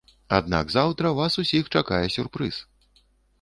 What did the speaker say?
Аднак заўтра вас усіх чакае сюрпрыз.